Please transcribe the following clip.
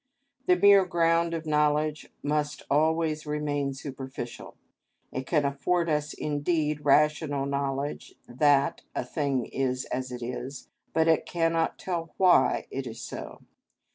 The mere ground of knowledge must always remain superficial; it can afford us indeed rational knowledge that a thing is as it is, but it cannot tell why it is so.